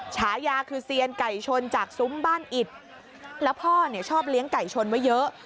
ฉายาคือเซียนไก่ชนจากซุ้มบ้านอิดแล้วพ่อเนี่ยชอบเลี้ยงไก่ชนไว้เยอะ